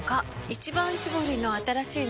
「一番搾り」の新しいの？